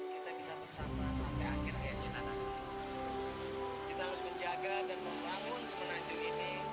kita bisa bersama sampai akhir akhir kita nanti kita harus menjaga dan membangun semenanjung ini